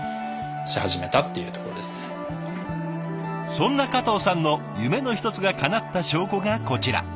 そんな加藤さんの夢の一つがかなった証拠がこちら。